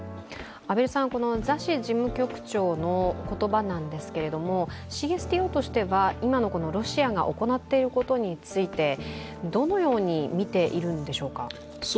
ザシ事務局長の言葉なんですがＣＳＴＯとしては今のロシアが行っていることについてどのように見ているんでしょうか。